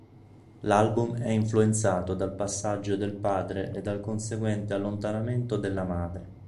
L'album è influenzato dal passaggio del padre e dal conseguente allontanamento della madre.